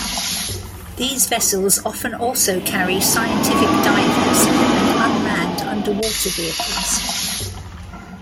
These vessels often also carry scientific divers and unmanned underwater vehicles.